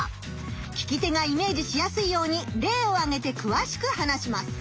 聞き手がイメージしやすいようにれいをあげてくわしく話します。